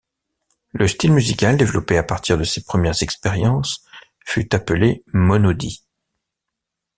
Le style musical développé à partir de ces premières expériences fut appelé monodie.